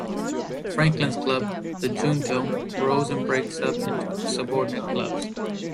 Franklin's club, the Junto, grows and breaks up into subordinate clubs.